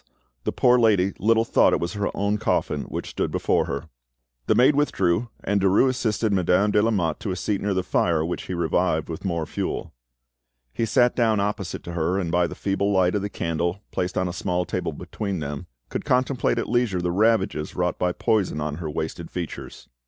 the poor lady little thought it was her own coffin which stood before her! The maid withdrew, and Derues assisted Madame de Lamotte to a seat near the fire, which he revived with more fuel. He sat down opposite to her, and by the feeble light of the candle placed on a small table between them could contemplate at leisure the ravages wrought by poison on her wasted features.